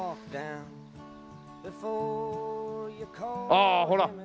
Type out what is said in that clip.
ああほら。